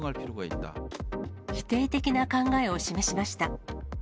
否定的な考えを示しました。